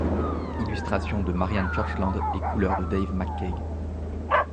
Illustration de Marian Churchland et couleur de Dave McCaig.